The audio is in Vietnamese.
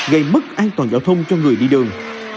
gây mất an toàn giao thông cho người đi đường